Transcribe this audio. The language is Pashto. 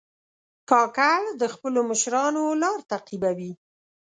کاکړ د خپلو مشرانو لار تعقیبوي.